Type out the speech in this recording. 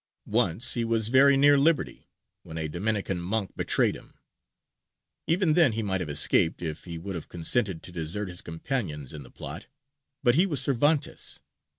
Once he was very near liberty, when a Dominican monk betrayed him; even then he might have escaped, if he would have consented to desert his companions in the plot: but he was Cervantes.